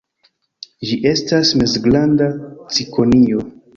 Ĝi estas mezgranda cikonio.